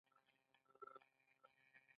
او له پالګرو د قسمت حال معلوم کړم